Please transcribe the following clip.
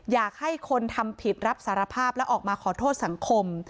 อยากให้คนทำผิดรับสารภาพและออกมาขอโทษสังคม